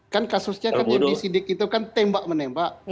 kan kasusnya kan yang disidik itu kan tembak menembak